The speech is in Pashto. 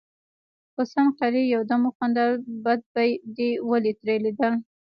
حسن قلي يودم وخندل: بد به دې ولې ترې ليدل.